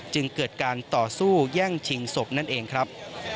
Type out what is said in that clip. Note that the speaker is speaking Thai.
จึงเกิดการต่อสู้แย่งชิงศพนั่นเองครับ